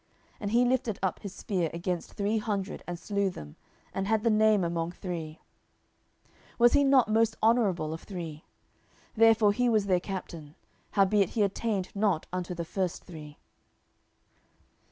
And he lifted up his spear against three hundred, and slew them, and had the name among three. 10:023:019 Was he not most honourable of three? therefore he was their captain: howbeit he attained not unto the first three.